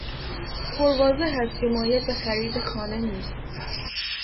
پرواضح است که مایل به خرید خانه نیست.